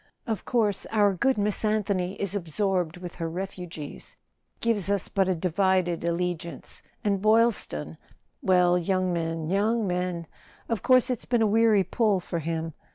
Of course our good Miss Anthony is absorbed with her refugees—gives us but a divided allegiance. And Boyl¬ ston—well, young men, young men! Of course it's been a weary pull for him.